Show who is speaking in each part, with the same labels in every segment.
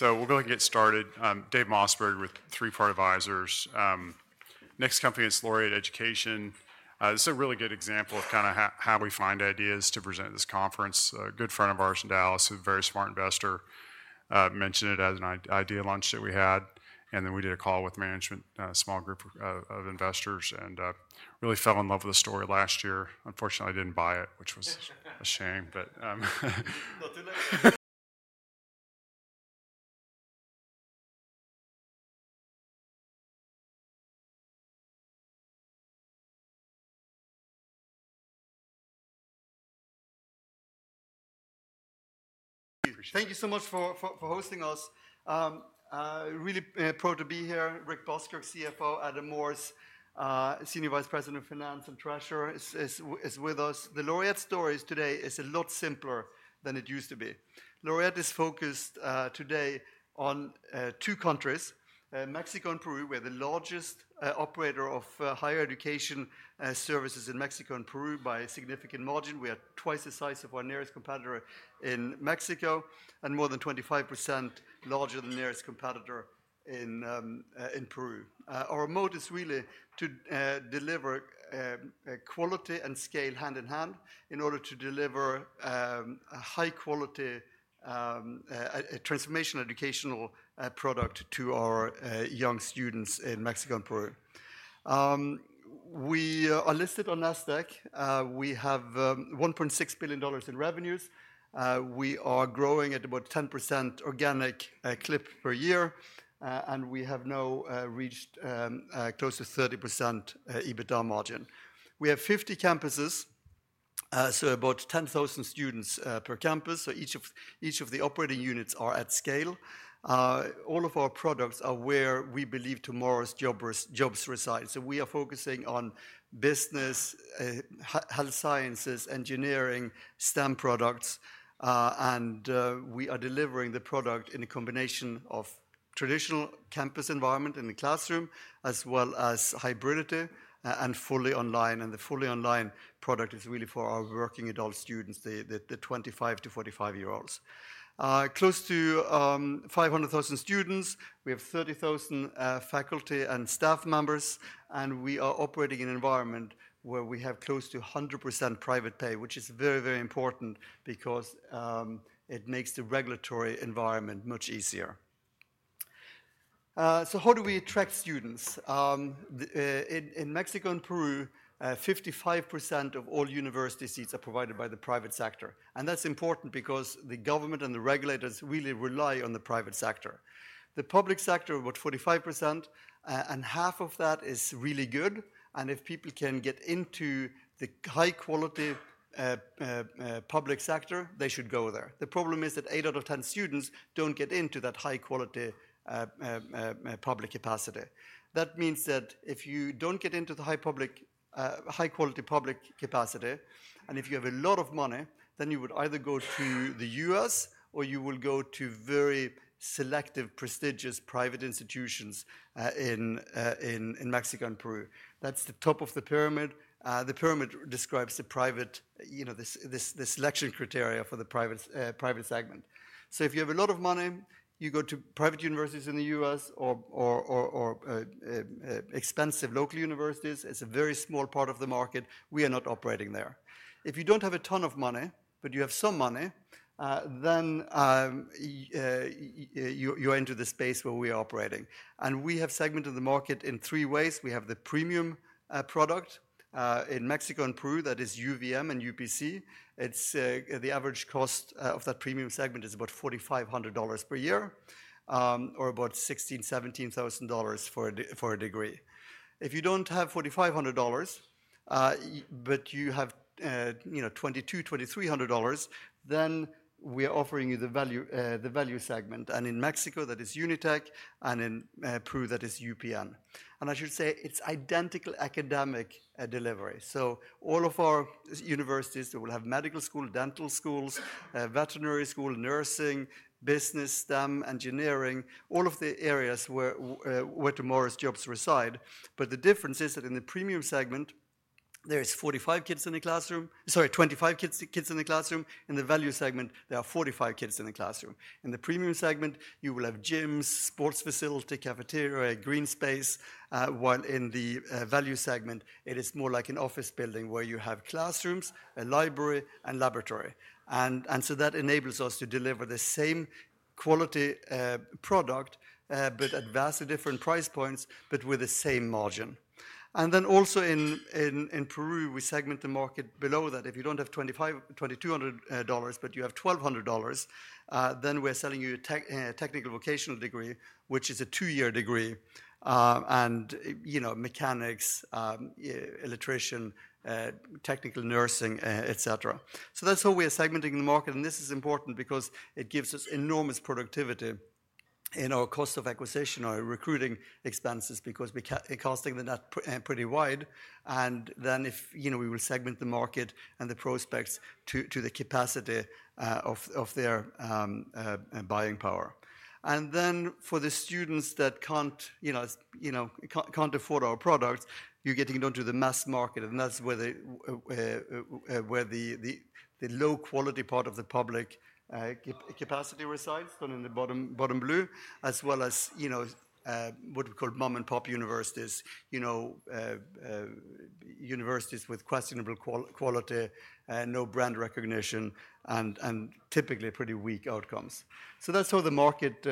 Speaker 1: We'll go ahead and get started. David Morse, very good with Third Point Advisors. Next company, it's Laureate Education. This is a really good example of kind of how we find ideas to present at this conference. A good friend of ours in Dallas, a very smart investor, mentioned it as an idea at a lunch that we had. Then we did a call with management, a small group of investors, and really fell in love with the story last year. Unfortunately, I didn't buy it, which was a shame, but.
Speaker 2: Not too late. Thank you so much for hosting us. Really proud to be here. Rick Buskirk, CFO, Adam Morse, Senior Vice President of Finance and Treasurer, is with us. The Laureate story today is a lot simpler than it used to be. Laureate is focused today on two countries, Mexico and Peru, where the largest operator of higher education services in Mexico and Peru by a significant margin. We are twice the size of our nearest competitor in Mexico and more than 25% larger than the nearest competitor in Peru. Our motive is really to deliver quality and scale hand in hand in order to deliver a high-quality transformational educational product to our young students in Mexico and Peru. We are listed on NASDAQ. We have $1.6 billion in revenues. We are growing at about 10% organic clip per year, and we have now reached close to 30% EBITDA margin. We have 50 campuses, so about 10,000 students per campus. Each of the operating units are at scale. All of our products are where we believe tomorrow's jobs reside. We are focusing on business, health sciences, engineering, STEM products, and we are delivering the product in a combination of traditional campus environment in the classroom, as well as hybridity and fully online. The fully online product is really for our working adult students, the 25 to 45 year olds. Close to 500,000 students. We have 30,000 faculty and staff members, and we are operating in an environment where we have close to 100% private pay, which is very, very important because it makes the regulatory environment much easier. How do we attract students? In Mexico and Peru, 55% of all university seats are provided by the private sector. That is important because the government and the regulators really rely on the private sector. The public sector, about 45%, and half of that is really good. If people can get into the high-quality public sector, they should go there. The problem is that 8 out of 10 students do not get into that high-quality public capacity. That means that if you do not get into the high-quality public capacity, and if you have a lot of money, then you would either go to the US or you will go to very selective, prestigious private institutions in Mexico and Peru. That is the top of the pyramid. The pyramid describes the private selection criteria for the private segment. If you have a lot of money, you go to private universities in the U.S. or expensive local universities. It's a very small part of the market. We are not operating there. If you do not have a ton of money, but you have some money, you enter the space where we are operating. We have segmented the market in three ways. We have the premium product in Mexico and Peru that is UVM and UPC. The average cost of that premium segment is about $4,500 per year or about $16,000-$17,000 for a degree. If you do not have $4,500, but you have $2,200-$2,300, we are offering you the value segment. In Mexico, that is UniTech, and in Peru, that is UPN. I should say it is identical academic delivery. All of our universities will have medical school, dental schools, veterinary school, nursing, business, STEM, engineering, all of the areas where tomorrow's jobs reside. The difference is that in the premium segment, there are 25 kids in the classroom. In the value segment, there are 45 kids in the classroom. In the premium segment, you will have gyms, sports facility, cafeteria, green space, while in the value segment, it is more like an office building where you have classrooms, a library, and laboratory. That enables us to deliver the same quality product, but at vastly different price points, but with the same margin. Also in Peru, we segment the market below that. If you do not have $2,200, but you have $1,200, then we are selling you a technical vocational degree, which is a two-year degree, in mechanics, electrician, technical nursing, et cetera. That is how we are segmenting the market. This is important because it gives us enormous productivity in our cost of acquisition, our recruiting expenses, because we are casting the net pretty wide. If we segment the market and the prospects to the capacity of their buying power, and then for the students that cannot afford our products, you are getting into the mass market. That is where the low-quality part of the public capacity resides, down in the bottom blue, as well as what we call mom-and-pop universities, universities with questionable quality, no brand recognition, and typically pretty weak outcomes. That is how the market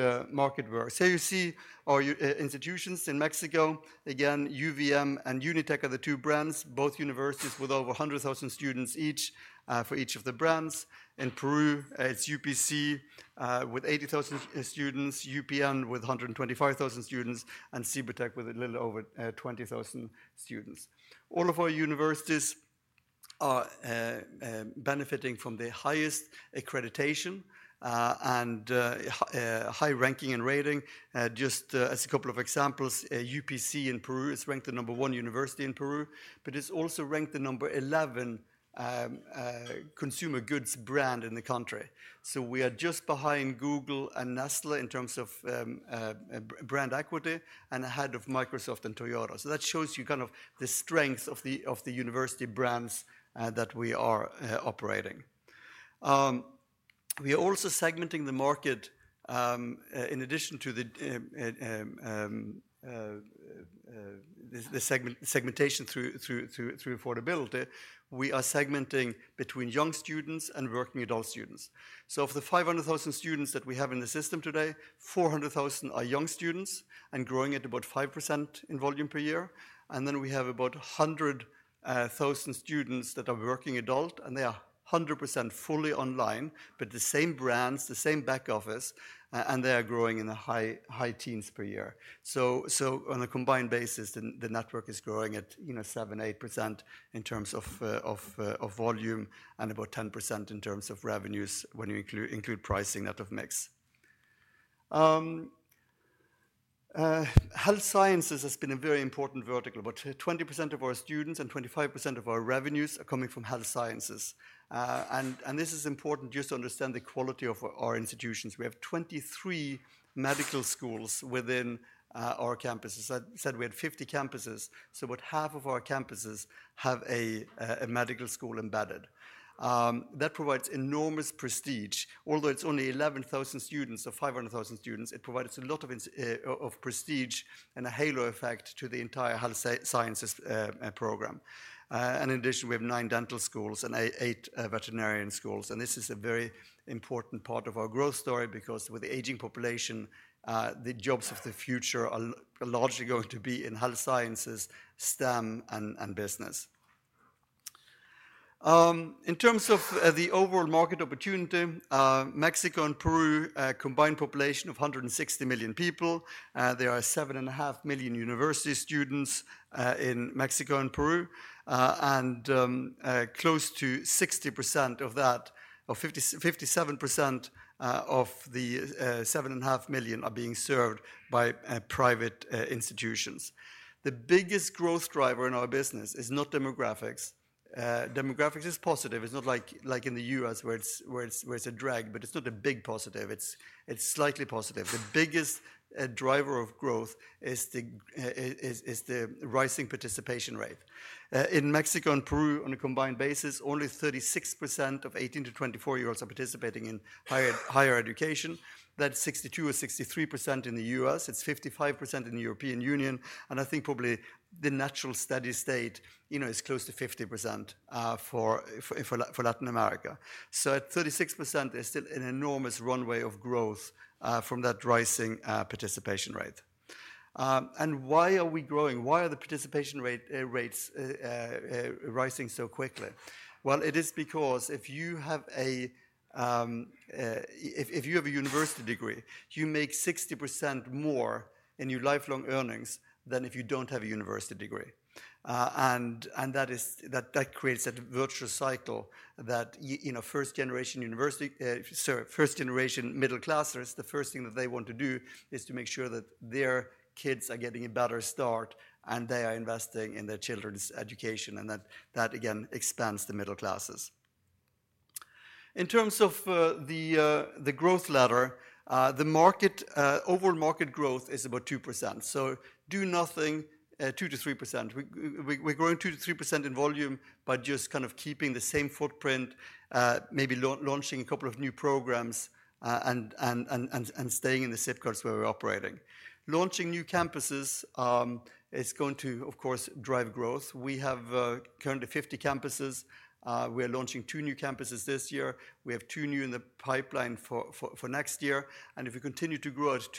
Speaker 2: works. You see our institutions in Mexico. Again, UVM and UniTech are the two brands, both universities with over 100,000 students each for each of the brands. In Peru, it is UPC with 80,000 students, UPN with 125,000 students, and Cibertec with a little over 20,000 students. All of our universities are benefiting from the highest accreditation and high ranking and rating. Just as a couple of examples, UPC in Peru is ranked the number one university in Peru, but it is also ranked the number 11 consumer goods brand in the country. We are just behind Google and Nestlé in terms of brand equity and ahead of Microsoft and Toyota. That shows you kind of the strength of the university brands that we are operating. We are also segmenting the market in addition to the segmentation through affordability. We are segmenting between young students and working adult students. Of the 500,000 students that we have in the system today, 400,000 are young students and growing at about 5% in volume per year. We have about 100,000 students that are working adult, and they are 100% fully online, but the same brands, the same back office, and they are growing in the high teens per year. On a combined basis, the network is growing at 7%-8% in terms of volume and about 10% in terms of revenues when you include pricing out of mix. Health sciences has been a very important vertical. About 20% of our students and 25% of our revenues are coming from health sciences. This is important just to understand the quality of our institutions. We have 23 medical schools within our campuses. I said we had 50 campuses. About half of our campuses have a medical school embedded. That provides enormous prestige. Although it's only 11,000 students or 500,000 students, it provides a lot of prestige and a halo effect to the entire health sciences program. In addition, we have nine dental schools and eight veterinarian schools. This is a very important part of our growth story because with the aging population, the jobs of the future are largely going to be in health sciences, STEM, and business. In terms of the overall market opportunity, Mexico and Peru combined population of 160 million people. There are 7.5 million university students in Mexico and Peru. Close to 60%, or 57% of the 7.5 million, are being served by private institutions. The biggest growth driver in our business is not demographics. Demographics is positive. It's not like in the U.S. where it's a drag, but it's not a big positive. It's slightly positive. The biggest driver of growth is the rising participation rate. In Mexico and Peru, on a combined basis, only 36% of 18 to 24 year olds are participating in higher education. That's 62% or 63% in the U.S. It's 55% in the European Union. I think probably the natural steady state is close to 50% for Latin America. At 36%, there's still an enormous runway of growth from that rising participation rate. Why are we growing? Why are the participation rates rising so quickly? It is because if you have a university degree, you make 60% more in your lifelong earnings than if you don't have a university degree. That creates a virtuous cycle that first-generation middle classers, the first thing that they want to do is to make sure that their kids are getting a better start and they are investing in their children's education. That, again, expands the middle classes. In terms of the growth ladder, the overall market growth is about 2%. Do nothing, 2%-3%. We are growing 2%-3% in volume by just kind of keeping the same footprint, maybe launching a couple of new programs and staying in the SIP cards where we are operating. Launching new campuses is going to, of course, drive growth. We have currently 50 campuses. We are launching two new campuses this year. We have two new in the pipeline for next year. If we continue to grow at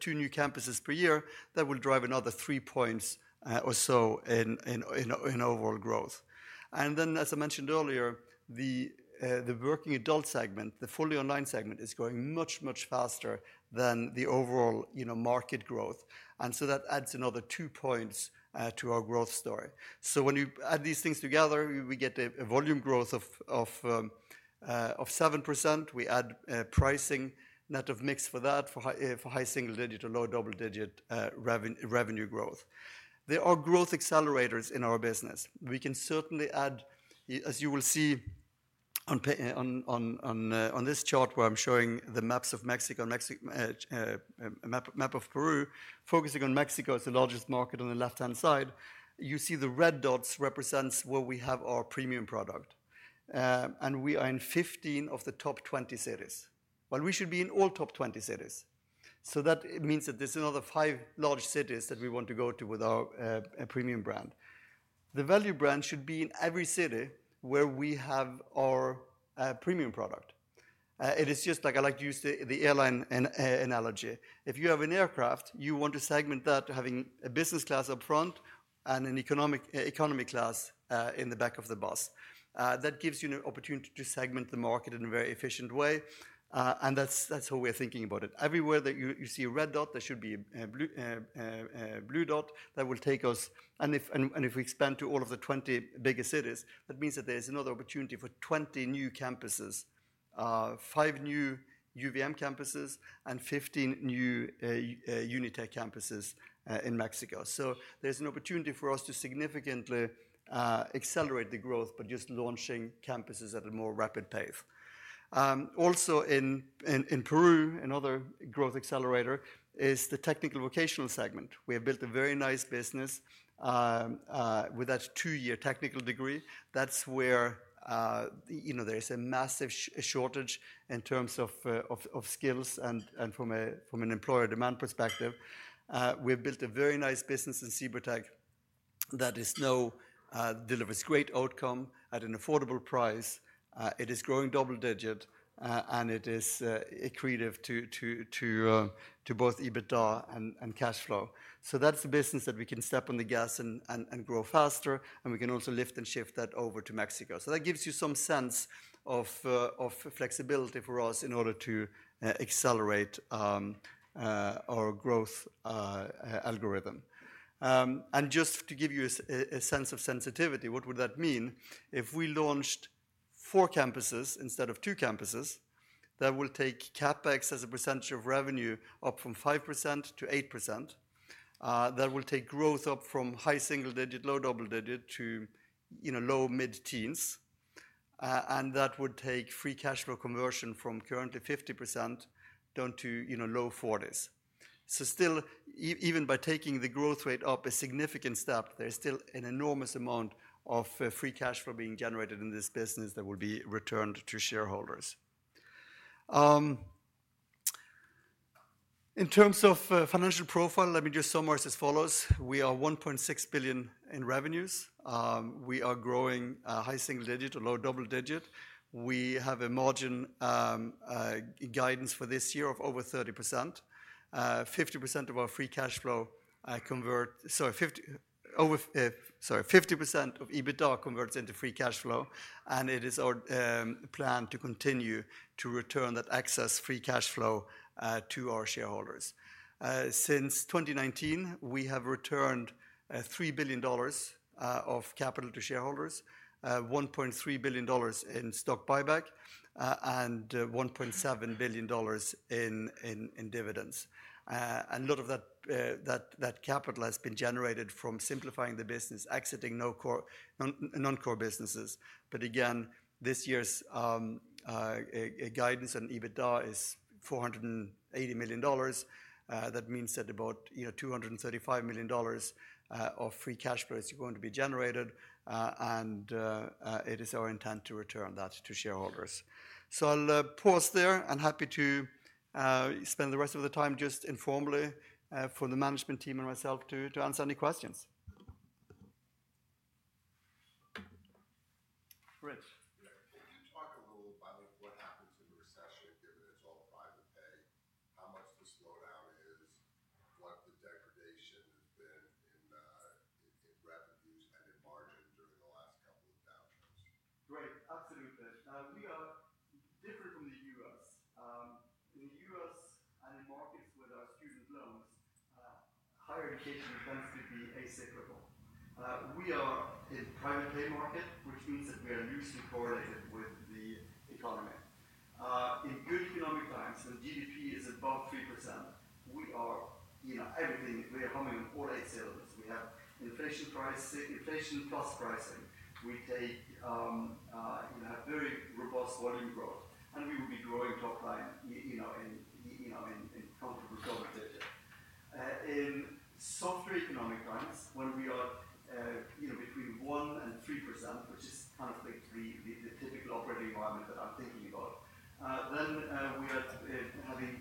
Speaker 2: two new campuses per year, that will drive another three percentage points or so in overall growth. As I mentioned earlier, the working adult segment, the fully online segment is growing much, much faster than the overall market growth. That adds another two percentage points to our growth story. When you add these things together, we get a volume growth of 7%. We add pricing net of mix for that for high single-digit or low double-digit revenue growth. There are growth accelerators in our business. We can certainly add, as you will see on this chart where I am showing the maps of Mexico, map of Peru, focusing on Mexico as the largest market on the left-hand side. You see the red dots represent where we have our premium product. We are in 15 of the top 20 cities. We should be in all top 20 cities. That means that there's another five large cities that we want to go to with our premium brand. The value brand should be in every city where we have our premium product. It is just like I like to use the airline analogy. If you have an aircraft, you want to segment that, having a business class up front and an economy class in the back of the bus. That gives you an opportunity to segment the market in a very efficient way. That's how we're thinking about it. Everywhere that you see a red dot, there should be a blue dot that will take us. If we expand to all of the 20 biggest cities, that means that there's another opportunity for 20 new campuses, five new UVM campuses, and 15 new UniTech campuses in Mexico. There is an opportunity for us to significantly accelerate the growth by just launching campuses at a more rapid pace. Also in Peru, another growth accelerator is the technical vocational segment. We have built a very nice business with that two-year technical degree. That is where there is a massive shortage in terms of skills and from an employer demand perspective. We have built a very nice business in Cibertec that delivers great outcome at an affordable price. It is growing double-digit, and it is accretive to both EBITDA and cash flow. That is the business that we can step on the gas and grow faster, and we can also lift and shift that over to Mexico. That gives you some sense of flexibility for us in order to accelerate our growth algorithm. Just to give you a sense of sensitivity, what would that mean? If we launched four campuses instead of two campuses, that will take CapEx as a percentage of revenue up from 5% to 8%. That will take growth up from high single-digit, low double-digit to low mid-teens. That would take free cash flow conversion from currently 50% down to low 40s. Still, even by taking the growth rate up a significant step, there is still an enormous amount of free cash flow being generated in this business that will be returned to shareholders. In terms of financial profile, let me just summarize as follows. We are $1.6 billion in revenues. We are growing high single-digit, low double-digit. We have a margin guidance for this year of over 30%. 50% of our free cash flow converts—sorry, 50% of EBITDA converts into free cash flow. It is our plan to continue to return that excess free cash flow to our shareholders. Since 2019, we have returned $3 billion of capital to shareholders, $1.3 billion in stock buyback, and $1.7 billion in dividends. A lot of that capital has been generated from simplifying the business, exiting non-core businesses. This year's guidance on EBITDA is $480 million. That means that about $235 million of free cash flow is going to be generated. It is our intent to return that to shareholders. I'll pause there and happy to spend the rest of the time just informally for the management team and myself to answer any questions. Rich, could you talk a little about what happens in a recession given it's all private pay? How much the slowdown is, what the degradation has been in revenues and in margin during the last couple of downturns? Great. Absolutely. We are different from the U.S. In the U.S. and in markets where there are student loans, higher education tends to be acyclical. We are in a private pay market, which means that we are loosely correlated with the economy. In good economic times, when GDP is above 3%, we are everything. We are humming on all eight cylinders. We have inflation plus pricing. We have very robust volume growth, and we will be growing top line in comfortable double-digit. In softer economic times, when we are between 1% and 3%, which is kind of the typical operating environment that I'm thinking about, then we are having,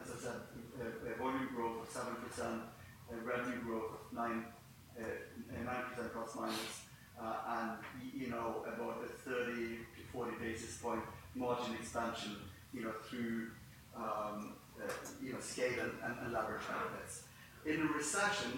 Speaker 2: as I said, a volume growth of 7%, revenue growth of 9% plus minus, and about a 30 to 40 basis point margin expansion through scale and leverage benefits. In a recession,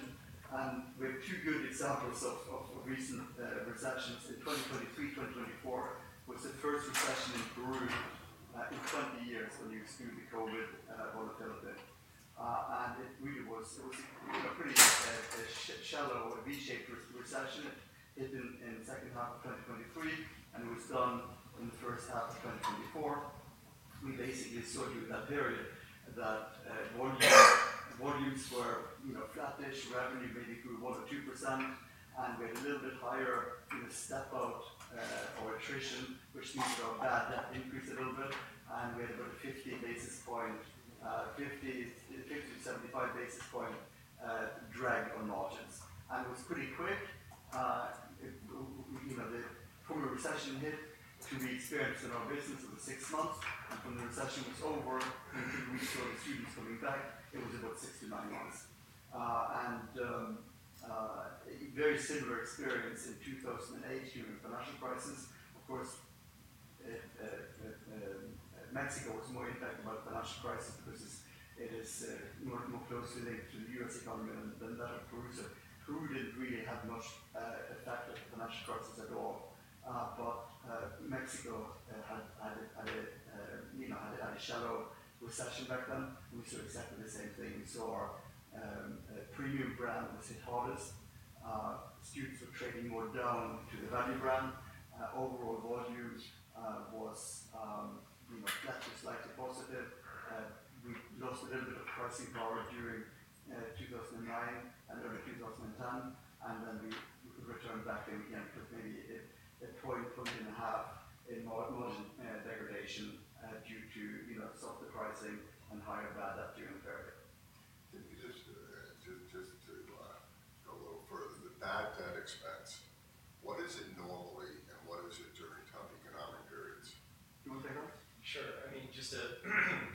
Speaker 2: and with two good examples of recent recessions in 2023, 2024 was the first recession in Peru in 20 years when you exclude the COVID volatility. It really was a pretty shallow, V-shaped recession. It hit in the second half of 2023, and it was done in the first half of 2024. We basically saw during that period that volumes were flattish. Revenue maybe grew 1% or 2%, and we had a little bit higher step-out or attrition, which means that our bad debt increased a little bit. We had about a 50-75 basis point drag on margins. It was pretty quick. The former recession hit to be experienced in our business over six months. From the recession was over, we saw the students coming back. It was about six to nine months. Very similar experience in 2008 during the financial crisis. Of course, Mexico was more impacted by the financial crisis because it is more closely linked to the U.S. economy than that of Peru. Peru did not really have much effect of the financial crisis at all. Mexico had a shallow recession back then. We saw exactly the same thing. We saw our premium brand was hit hardest. Students were trading more down to the value brand. Overall volume was flattish, slightly positive. We lost a little bit of pricing power during 2009 and early 2010. We returned back again to maybe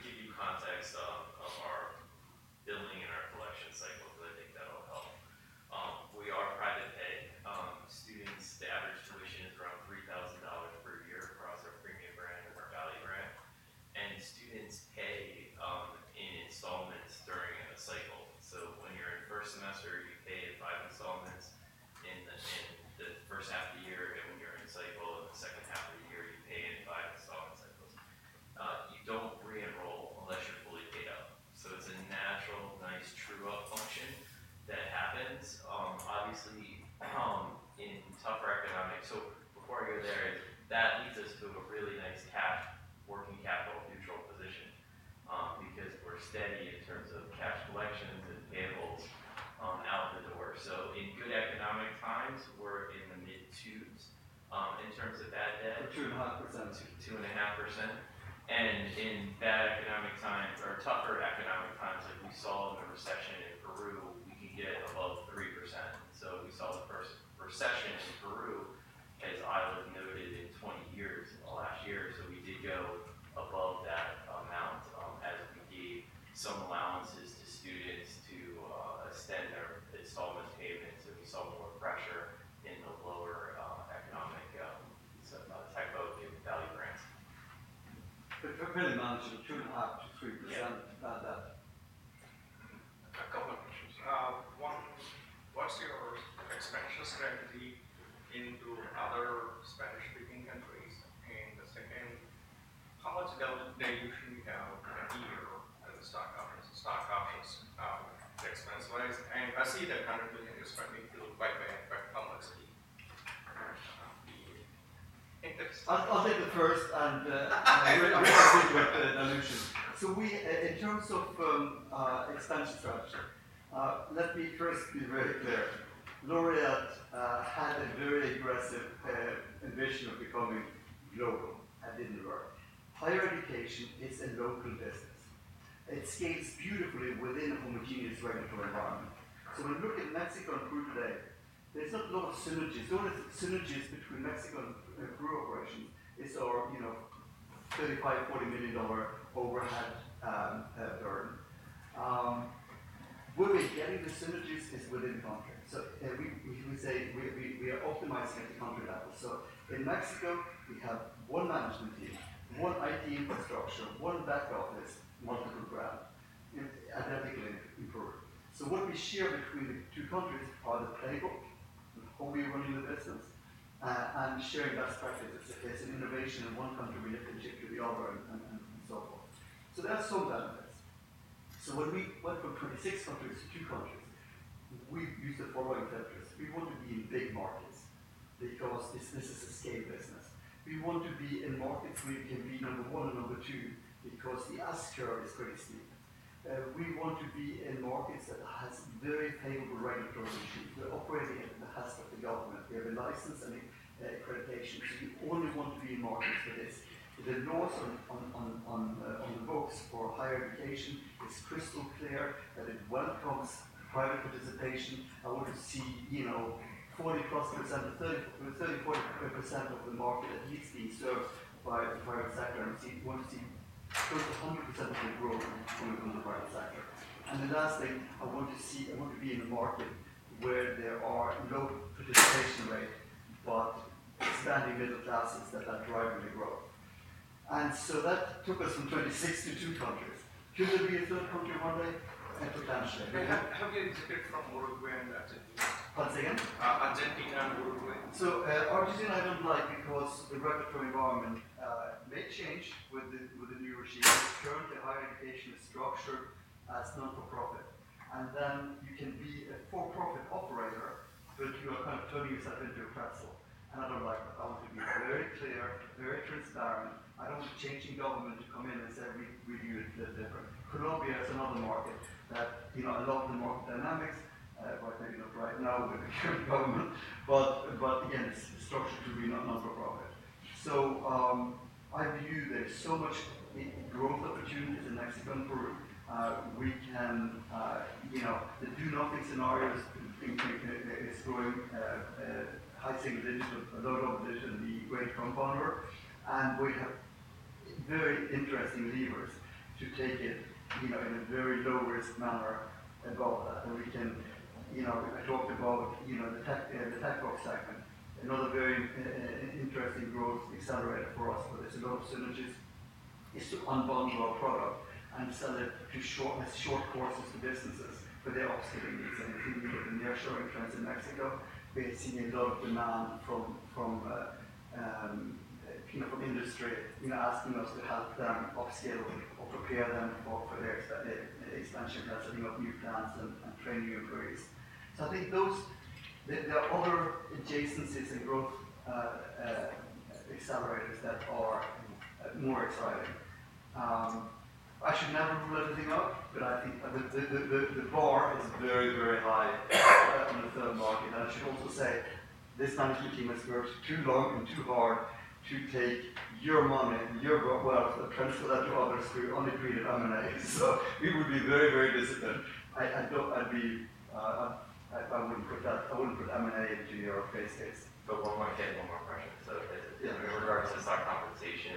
Speaker 2: I'll take the first. I'm very good with dilution. In terms of expansion strategy, let me first be very clear. Laureate had a very aggressive ambition of becoming global. That did not work. Higher education is a local business. It scales beautifully within a homogeneous regulatory environment. When you look at Mexico and Peru today, there are not a lot of synergies. The only synergies between Mexico and Peru operations is our $35 million-$40 million overhead burden. Where we are getting the synergies is within the country. We would say we are optimizing at the country level. In Mexico, we have one management team, one IT infrastructure, one back office, multiple brands, identical in Peru. What we share between the two countries are the playbook, how we are running the business, and sharing best practices. If there is an innovation in one country, we look and check with the other and so forth. There are some benefits. When we went from 26 countries to two countries, we used the following factors. We want to be in big markets because this is a scale business. We want to be in markets where you can be number one and number two because the ask curve is pretty steep. We want to be in markets that have very favorable regulatory issues. We are operating at the behest of the government. We have a license and accreditation. We only want to be in markets for this. The laws on the books for higher education are crystal clear that it welcomes private participation. I want to see 40% plus or 30%-40% of the market at least being served by the private sector. I want to see close to 100% of the growth coming from the private sector. The last thing, I want to be in a market where there are low participation rates, but expanding middle classes that are driving the growth. That took us from 26 to two countries. Could there be a third country one day? Potentially. How do you exhibit from Uruguay and Argentina? Once again? Argentina, Uruguay. Argentina, I do not like because the regulatory environment may change with the new regime. Currently, higher education is structured as not-for-profit. You can be a for-profit operator, but you are kind of turning yourself into a pretzel and I do not like that. I want to be very clear, very transparent. I do not want a changing government to come in and say, "We view it a little different." Colombia is another market that I love the market dynamics. Quite maybe not right now with the current government, but again, it is structured to be not-for-profit. I view there is so much growth opportunity in Mexico and Peru. We can do nothing scenarios. It is growing high single digit, low double digit, the great compounder. We have very interesting levers to take it in a very low-risk manner above that. We can, I talked about the tech box segment, another very interesting growth accelerator for us where there's a lot of synergies. It is to unbundle our product and sell it to short courses to businesses for their upskilling needs. If you look at the nearshoring trends in Mexico, we're seeing a lot of demand from industry asking us to help them upskill or prepare them for their expansion plan, setting up new plans and training employees. I think there are other adjacencies and growth accelerators that are more exciting. I should never rule everything out, but I think the bar is very, very high on the third market. I should also say this management team has worked too long and too hard to take your money and your wealth and transfer that to others through undecreed M&A. We would be very, very disciplined. I wouldn't put M&A into your base case.
Speaker 3: One more thing, one more question. In regards to stock compensation,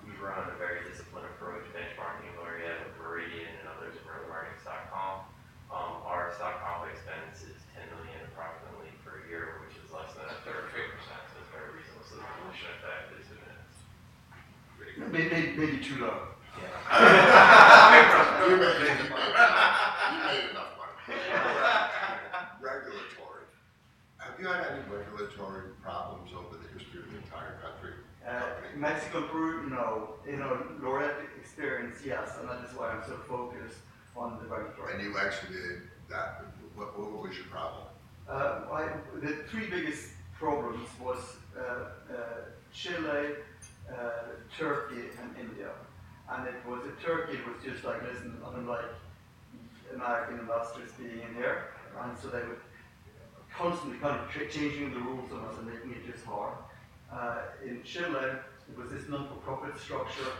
Speaker 3: we run a very disciplined approach. Benchmarking Laureate with Meridian and others around the market is .com. Our stock comp expense is $10 million approximately per year, which is less than a third of 2%. It is very reasonable. The dilution effect is immense.
Speaker 2: Maybe too low. You made enough money.
Speaker 1: Regulatory. Have you had any regulatory problems over the history of the entire country?
Speaker 2: Mexico, Peru, no. Laureate experience, yes. That is why I'm so focused on the regulatory.
Speaker 1: You actually did that. What was your problem?
Speaker 2: The three biggest problems were Chile, Turkey, and India. Turkey was just like, "Listen, I do not like American investors being in here." They were constantly kind of changing the rules on us and making it just hard. In Chile, it was this not-for-profit structure.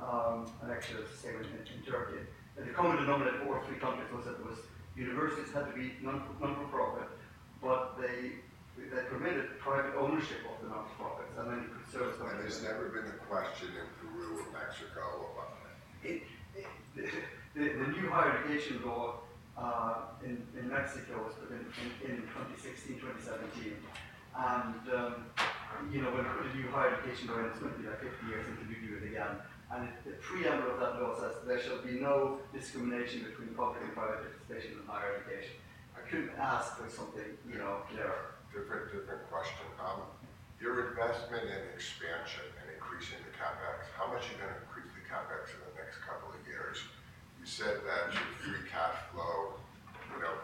Speaker 2: Actually, that is the same in Turkey. The common denominator for three countries was that universities had to be not-for-profit, but they permitted private ownership of the not-for-profits. Then you could service.
Speaker 1: There's never been a question in Peru or Mexico about it.
Speaker 2: The new higher education law in Mexico was put in 2016, 2017. When we put a new higher education law in, it's going to be like 50 years until we do it again. The preamble of that law says there shall be no discrimination between public and private participation in higher education. I couldn't ask for something clearer.
Speaker 1: Different question. Your investment in expansion and increasing the CapEx, how much are you going to increase the CapEx in the next couple of years? You said that your free cash flow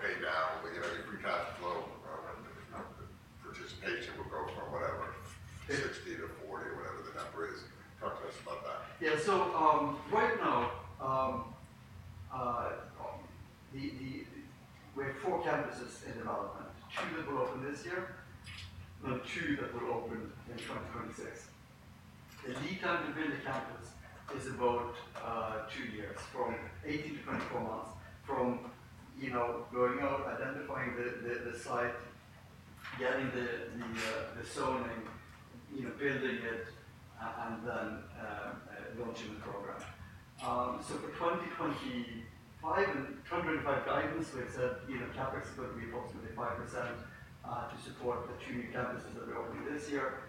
Speaker 1: pay down, your free cash flow participation will go from whatever, 60 to 40 or whatever the number is. Talk to us about that.
Speaker 2: Yeah. Right now, we have four campuses in development. Two that will open this year and two that will open in 2026. The lead time to build a campus is about two years, from 18-24 months, from going out, identifying the site, getting the zoning, building it, and then launching the program. For 2025 and 2025 guidance, we've said CapEx is going to be approximately 5% to support the two new campuses that we're opening this year.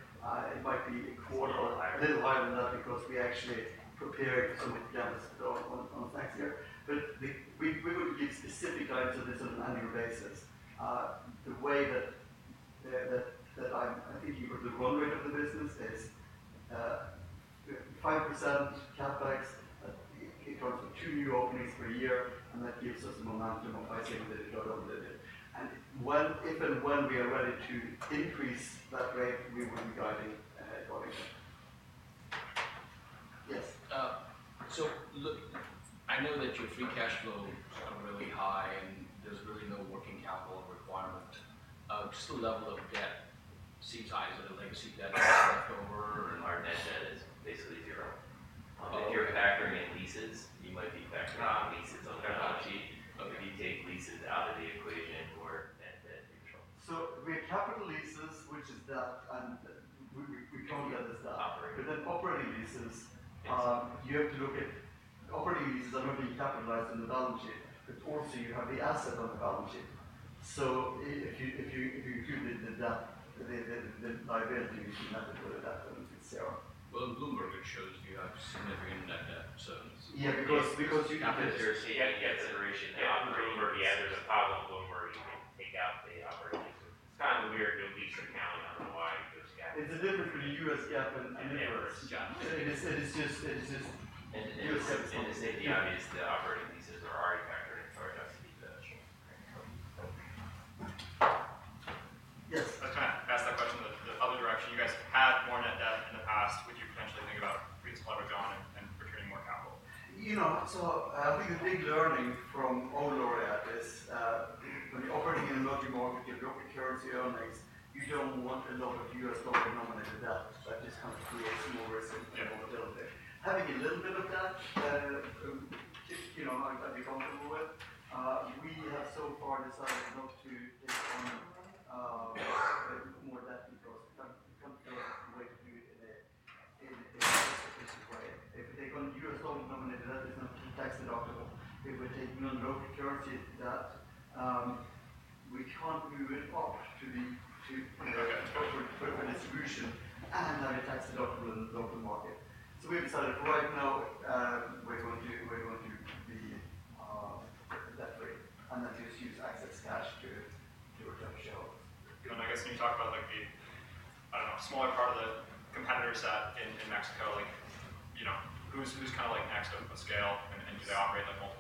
Speaker 2: It might be a quarter or a little higher than that because we actually prepared some of the campuses to go on next year. We're going to give specific guidance on this on an annual basis. The way that I'm thinking about the run rate of the business is 5% CapEx in terms of two new openings per year, and that gives us a momentum of ICM did it, Laureate did it. If and when we are ready to increase that rate, we will be guiding accordingly. Yes.
Speaker 3: I know that your free cash flow is really high and there's really no working capital requirement. Just the level of debt, sea tides of the legacy debt left over. Our net debt is basically zero. If you're factoring in leases, you might be factoring out leases on the balance sheet. If you take leases out of the equation for net debt, neutral.
Speaker 2: We have capital leases, which is debt, and we can't get this debt. Operating leases, you have to look at operating leases are not being capitalized in the balance sheet, but also you have the asset on the balance sheet. If you include the debt, the liability, you should not include the debt balance sheets.
Speaker 3: Bloomberg has shown you have significant net debt zones.
Speaker 2: Yeah, because you get consideration.
Speaker 3: Yeah, Bloomberg, yeah, there's a problem with Bloomberg. You can't take out the operating leases. It's kind of a weird no lease account. I don't know why you just got.
Speaker 2: It's different from the U.S. gap and inverse.
Speaker 3: It's just. To state the obvious, the operating leases are already factored into our deficit equation.
Speaker 2: Yes. I was going to ask that question in the other direction. You guys have had more net debt in the past. Would you potentially think about redistributing and returning more capital? I think the big learning from old Laureate is when you're operating in a multi-market, you have local currency earnings. You don't want a lot of US dollar denominated debt. That just kind of creates more risk and more volatility. Having a little bit of debt, I'd be comfortable with. We have so far decided not to take on more debt because we can't figure out a way to do it in a cost-effective way. If we take on US dollar denominated debt, it's not tax-deductible. If we're taking on local currency debt, we can't move it up to distribution and have it tax-deductible in the local market. We have decided right now we're going to be that way and then just use excess cash to replenish. When you talk about the smaller part of the competitor set in Mexico, who's kind of next up on the scale and do they operate multiple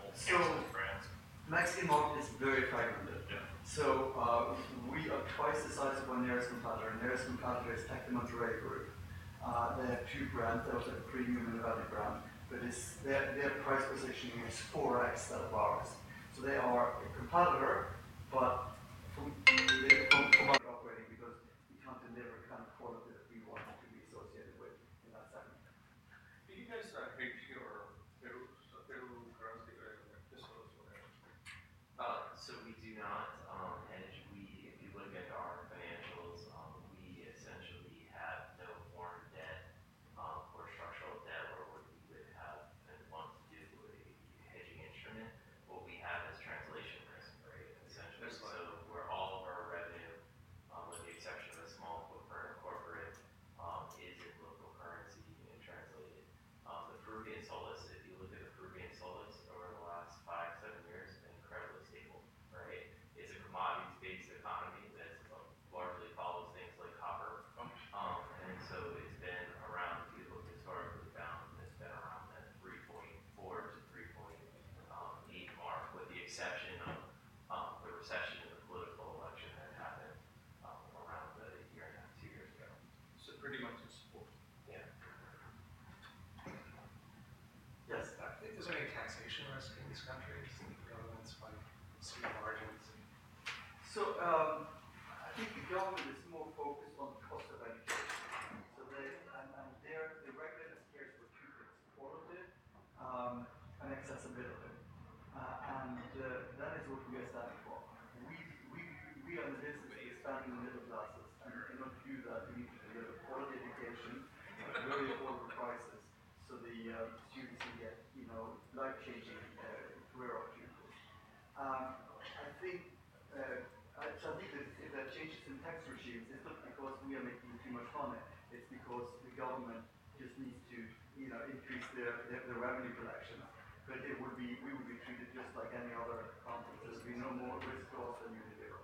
Speaker 2: government just needs to increase their revenue collection. We would be treated just like any other country. There is going to be no more risk to us than you did here.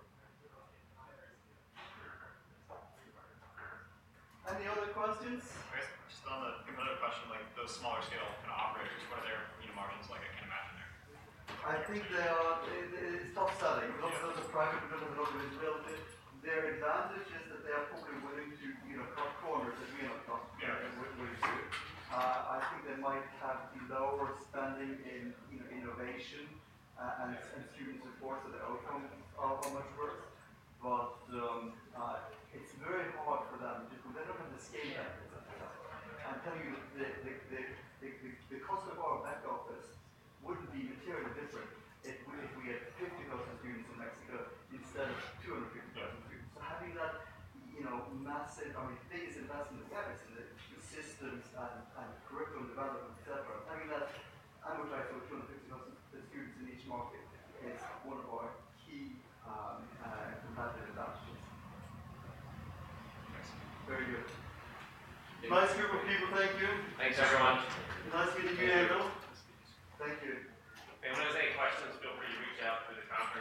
Speaker 2: Any other questions? Just another question. Those smaller scale operators, what are their margins like? I can't imagine there. I think they are, it's tough selling. Not the private development. Their advantage is that they are probably willing to cut corners that we are not cutting. Yeah. What do you see? I think they might have the lower spending in innovation and student support, so their outcomes are much worse. It is very hard for them just because they do not have the scale that they have set for us. I am telling you, the cost of our back office would not be materially different if we had 50,000 students in Mexico instead of 250,000 students. Having that massive biggest investment, the systems and curriculum development, etc., having that advertisement for 250,000 students in each market is one of our key competitive advantages. Excellent. Very good. Nice group of people. Thank you.
Speaker 3: Thanks, everyone.
Speaker 2: Nice meeting you, Andrew. Thank you. If anyone has any questions, feel free to reach out through the conference.